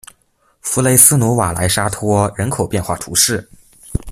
弗雷斯努瓦莱沙托人口变化图示